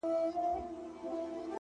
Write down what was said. عقل او زړه يې په کعبه کي جوارې کړې ده!!